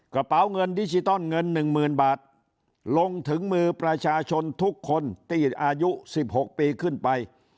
กระเป๋าเงินดิจิตอลเงิน๑๐๐๐บาทลงถึงมือประชาชนทุกคนที่อายุ๑๖ปีขึ้นไป